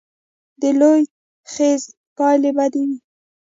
د لوی خیز پایلې بدې وې.